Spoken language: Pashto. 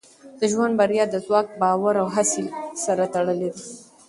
د ژوند بریا د ځواک، باور او هڅې سره تړلې ده.